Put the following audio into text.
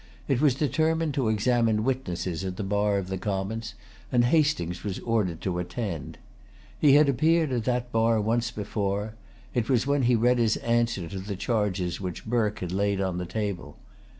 It was determined to examine witnesses at the bar of the Commons; and Hastings was ordered to attend. He had appeared at that bar once before. It was when he read his answer to the charges which Burke had laid on the table.